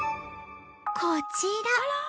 こちら